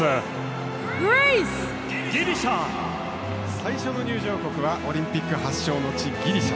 最初の入場国はオリンピック発祥の地、ギリシャ。